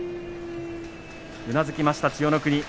うなずきました千代の国。